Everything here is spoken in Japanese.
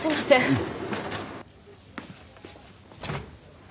うん。